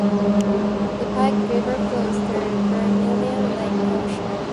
The Pike River flows through Vermilion Lake Township.